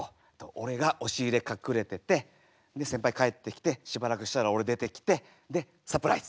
俺が押し入れ隠れててで先輩帰ってきてしばらくしたら俺出てきてでサプライズ。